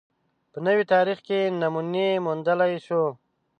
په نوي تاریخ کې نمونې موندلای شو